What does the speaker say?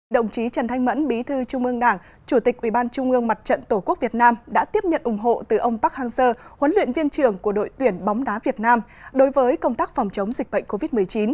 đồng chí trần thanh mẫn bí thư trung ương đảng chủ tịch ubnd tổ quốc việt nam đã tiếp nhận ủng hộ từ ông park hang seo huấn luyện viên trưởng của đội tuyển bóng đá việt nam đối với công tác phòng chống dịch bệnh covid một mươi chín